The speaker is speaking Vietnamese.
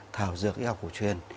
thảo dược y học cổ truyền